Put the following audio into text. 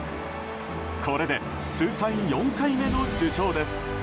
これで通算４回目の受賞です。